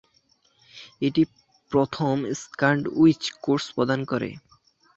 এটি প্রথম sandwich course প্রদান করে।